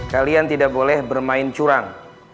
kalian tidak boleh bermain curang